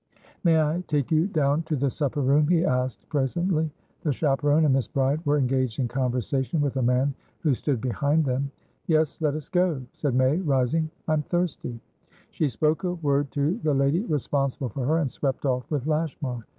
"May I take you down to the supper room?" he asked presently. The chaperon and Miss Bride were engaged in conversation with a man who stood behind them. "Yes, let us go," said May, rising. "I'm thirsty." She spoke a word to the lady responsible for her, and swept off with Lashmar.